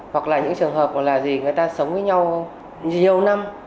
hoặc là những trường hợp là gì người ta sống với nhau nhiều năm